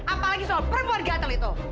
apalagi soal perempuan gatel itu